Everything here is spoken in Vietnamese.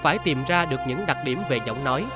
phải tìm ra được những đặc điểm về giọng nói